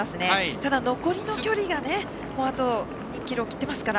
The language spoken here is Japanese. ただ、残りの距離があと２ｋｍを切ってますから。